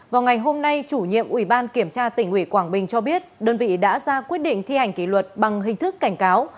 vào ngày hôm nay chủ nhiệm ubktqb cho biết đơn vị đã ra quyết định thi hành kỷ luật bằng hình thức cảnh cáo